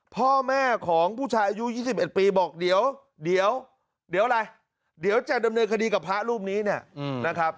พ่อแม่ของผู้ชายอายุ๒๑ปีบอกเดี๋ยวอะไรเดี๋ยวจะดำเนินคดีกับพระรูปนี้เนี่ยนะครับ